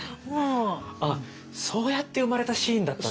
あっそうやって生まれたシーンだったんですね。